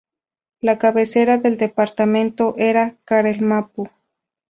La cabecera del departamento era Carelmapu.